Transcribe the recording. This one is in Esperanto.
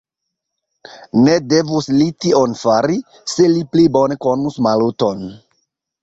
Ne devus li tion fari, se li pli bone konus Maluton!